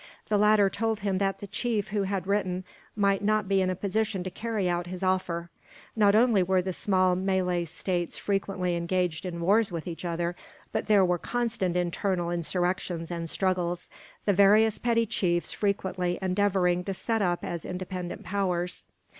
The latter told him that the chief who had written might not be in a position to carry out his offer. Not only were the small Malay states frequently engaged in wars with each other, but there were constant internal insurrections and struggles, the various petty chiefs frequently endeavouring to set up as independent powers.